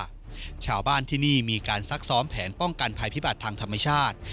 ชาวบ้านที่นี่มีการซักซ้อมแผนป้องกันภัยพิบัติทางธรรมชาติ